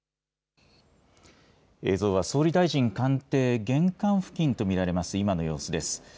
映像は総理大臣官邸、玄関付近と見られます、今の様子です。